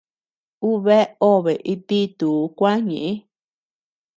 U bea obe it dituu kuä ñeʼë.